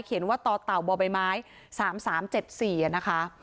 เขียนว่าตเต่าบไม๓๓๗๔นะคะ